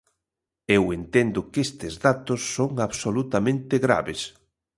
Eu entendo que estes datos son absolutamente graves.